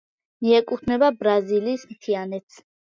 მიეკუთვნება ბრაზილიის მთიანეთს.